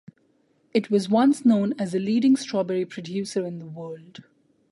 It was once known as the leading strawberry producer in the world.